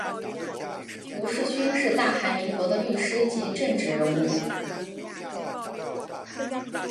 吴世勋是大韩民国的律师及政治人物。